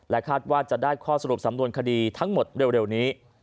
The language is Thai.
คาดว่าจะได้ข้อสรุปสำนวนคดีทั้งหมดเร็วนี้